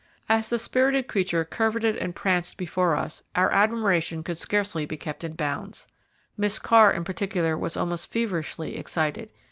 As the spirited creature curveted and pranced before us, our admiration could scarcely be kept in bounds. Miss Carr in particular was almost feverishly excited.